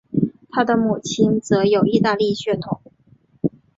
他的母亲则有意大利血统。